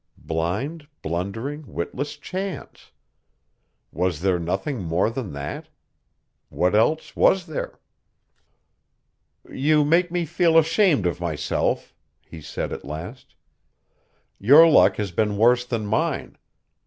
Blind, blundering, witless Chance! Was there nothing more than that? What else was there? "You make me feel ashamed of myself," he said at last. "Your luck has been worse than mine.